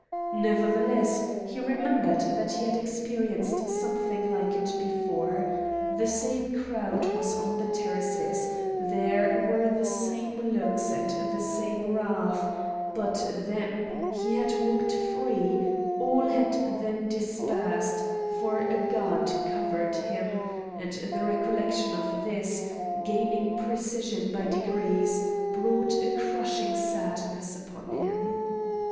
Nevertheless he remembered that he had experienced something like it before. The same crowd was on the terraces, there were the same looks and the same wrath; but then he had walked free, all had then dispersed, for a god covered him;—and the recollection of this, gaining precision by degrees, brought a crushing sadness upon him.